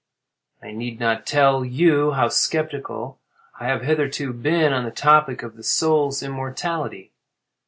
I need not tell you how sceptical I have hitherto been on the topic of the soul's immortality.